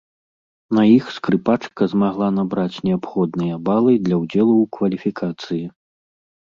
На іх скрыпачка змагла набраць неабходныя балы для ўдзелу ў кваліфікацыі.